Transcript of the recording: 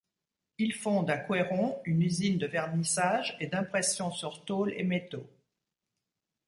Il fonde à Couëron une usine de vernissage et d’impression sur tôle et métaux.